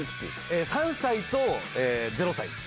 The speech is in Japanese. ３歳と０歳です。